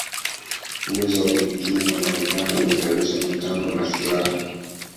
Uwezo wa kiuchumi wa Marekani ulizalisha mitambo na silaha